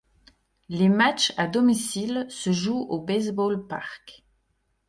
Les matchs à domicile se jouent au Baseball Park.